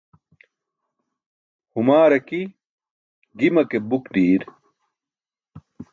Humaaar aki, gima ke buk ḍiir